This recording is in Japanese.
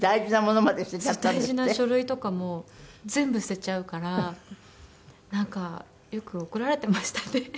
大事な書類とかも全部捨てちゃうからなんかよく怒られてましたね。